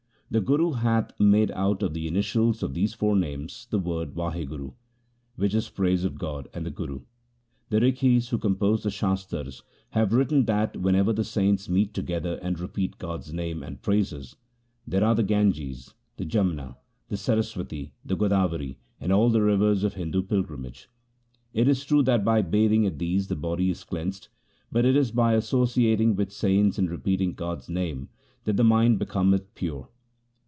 The Guru hath made out of the initials of these four names the word Wahguru, which is praise of God and the Guru. The Rikhis, who composed the Shastars, have written that when ever the saints meet together and repeat God's name and praises, there are the Ganges, the Jamna, the Saraswati, the Godavari, and all the rivers of Hindu pilgrimage. It is true that by bathing at these the body is cleansed, but it is by associating with saints and repeating God's name that the mind becometh pure.